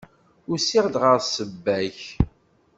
Usiɣ-d ɣef ssebba-k.